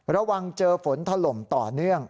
ระวังเจอฝนถล่มต่อเนื่อง